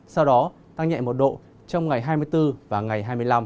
sau đó tăng nhẹ một độ trong ngày hai mươi bốn và ngày hai mươi năm